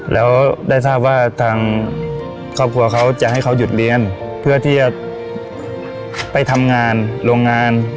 แล้วได้ทราบว่าทางครอบครัวเขาจะให้เขาหยุดเรียนเพื่อที่จะไปทำงานโรงงาน